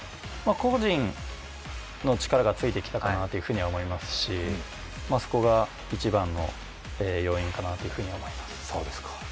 個人の力がついてきたかなとは思いますし、そこが一番の要因かなというふうに思います。